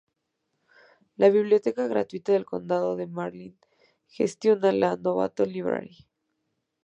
La Biblioteca Gratuita del Condado de Marin gestiona la Novato Library.